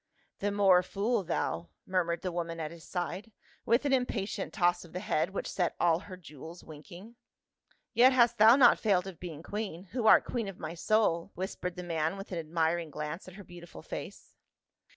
"The more fool thou," murmured the woman at his side, with an impatient toss of the head which set all her jewels winking. 10 146 PA UL. " Yet hast thou not failed of being queen — who art queen of my soul," whispered the man with an admir ing glance at her beautiful face.